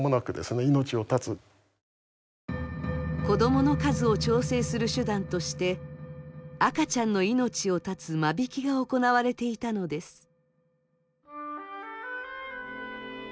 子どもの数を調整する手段として赤ちゃんの命を絶つ間引きが行われていたのです。